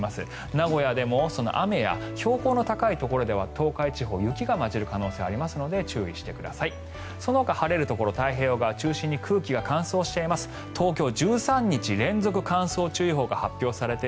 名古屋でも雨や標高の高いところでは東海地方、雪が交じる可能性がありますので注意してください。